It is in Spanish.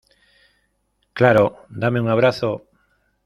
Claro. Dame un abrazo .